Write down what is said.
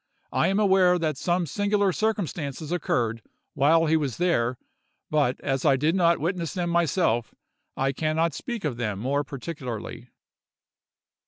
I am aware that some singular circumstances occurred while he was there; but as I did not witness them myself, I can not speak of them more particularly.